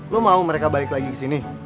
lo mau mereka balik lagi kesini